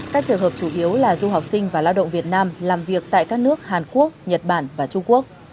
các trường hợp chủ yếu là du học sinh và lao động việt nam làm việc tại các nước hàn quốc nhật bản và trung quốc